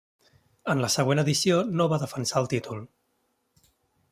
En la següent edició no va defensar el títol.